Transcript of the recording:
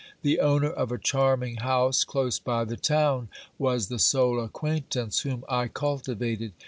The owner of a charming 32 OBERMANN house close by the town was the sole acquaintance whom I cultivated.